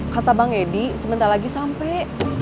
kata bang edi sebentar lagi sampai